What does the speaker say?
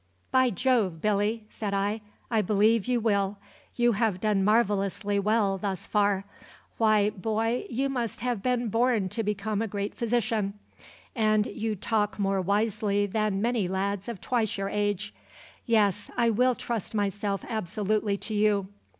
"By Jove, Billy," said I, "I believe you will. You have done marvellously well, thus far. Why, boy, you must have been born to become a great physician; and you talk more wisely than many lads of twice your age. Yes; I will trust myself absolutely to you.